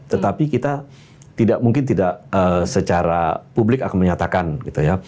tetapi kita tidak mungkin tidak secara publik akan menyatakan gitu ya